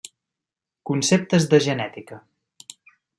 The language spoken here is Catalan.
Conceptes de Genètica.